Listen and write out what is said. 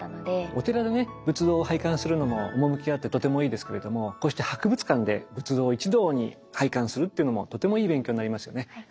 お寺でね仏像を拝観するのも趣があってとてもいいですけれどもこうして博物館で仏像を一堂に拝観するというのもとてもいい勉強になりますよね。